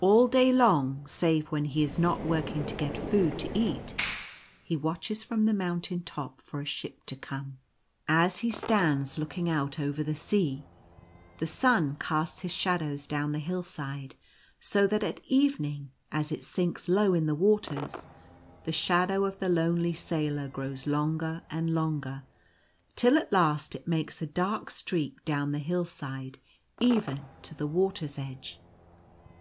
All day long, save when he is not working to get food to eat, he watches from the moun tain top for a ship to come. As he stands looking out The Mother watches. 93 over the sea, the sun casts his shadow down the hillside, so that at evening, as it sinks low in the waters, the shadow of the lonely Sailor grows longer and longer, till at the last it makes a dark streak down the hill side, even to the waters edge.